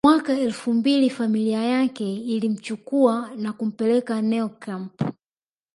Mwaka elfu mbili familia yake ilimchukua na kumpeleka Neo camp